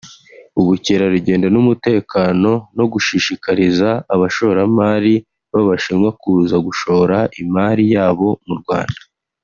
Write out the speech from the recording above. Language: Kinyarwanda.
ubukerarugendo n’umutekano no gushishikariza abashoramari b’Abashinwa kuza gushora imari yabo mu Rwanda